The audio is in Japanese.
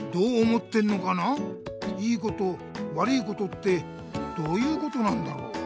「良いこと悪いこと」ってどういうことなんだろう？